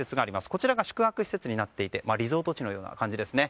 こちらが宿泊施設になっていてリゾート地のような感じですね。